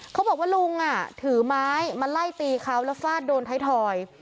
เขาบอกว่าลุงถือไม้มาไล่ตีเขาแล้วฟาดโดนไทยทอย